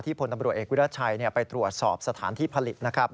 พลตำรวจเอกวิรัชัยไปตรวจสอบสถานที่ผลิตนะครับ